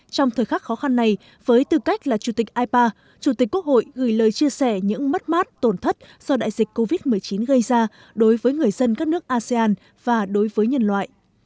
trong thời khắc khó khăn này với tư cách là chủ tịch ipa chủ tịch quốc hội gửi lời chia sẻ những mất mát tổn thất do đại dịch covid một mươi chín gây ra đối với người dân các nước asean và đối với nhân loại